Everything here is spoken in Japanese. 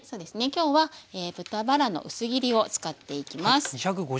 今日は豚バラの薄切りを使っていきます。